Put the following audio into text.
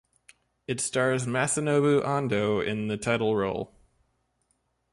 It stars Masanobu Ando in the title role.